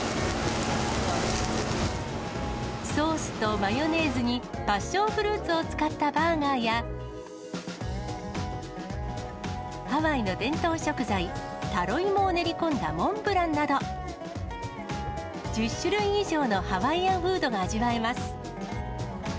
ソースとマヨネーズにパッションフルーツを使ったバーガーや、ハワイの伝統食材、タロイモを練り込んだモンブランなど、１０種類以上のハワイアンフードが味わえます。